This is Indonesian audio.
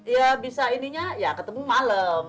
ya bisa ininya ya ketemu malam